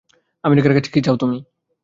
আমেরিকার কাছে কী চাও তুমি?